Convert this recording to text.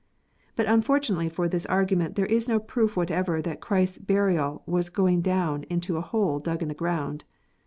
But unfortunately for this argument there is no proof whatever that Christ s burial was a going down into a hole dug in the ground.